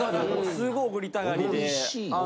すごい奢りたがりで。